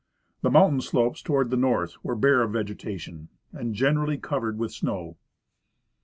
The mountain slopes toward the north were bare of vege tation and generally covered with snow.